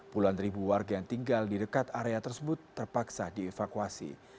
puluhan ribu warga yang tinggal di dekat area tersebut terpaksa dievakuasi